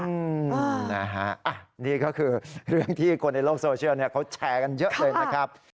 อืมนะฮะนี่ก็คือเรื่องที่คนในโลกโซเชียลเขาแชร์กันเยอะเลยนะครับ